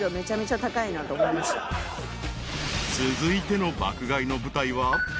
［続いての爆買いの舞台は］